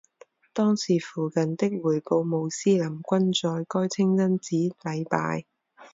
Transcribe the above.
当时附近的回部穆斯林均在该清真寺礼拜。